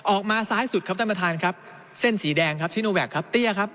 ออกมาซ้ายสุดครับท่านประธานครับเส้นสีแดงครับซิโนแวคครับเตี้ยครับ